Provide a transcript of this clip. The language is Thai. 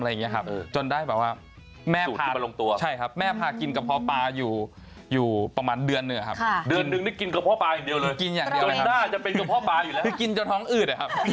เอาอีกหนึ่งเมนูที่พลาดไม่ได้ของคุณคุณอีกปีก็คือ